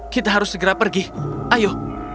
kita harus segera pergi ayo